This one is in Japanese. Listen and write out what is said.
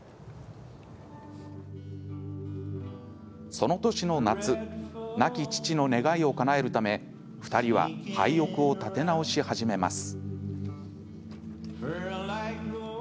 その年の夏亡き父の願いをかなえるため２人は廃屋を建て直し始めます。